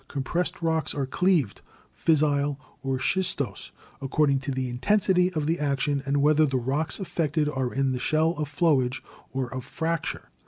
Compressed rocks are cleaved, fissile or schistose, according to the intensity of the action and whether the rocks affected are in the shell of flowage or of fracture.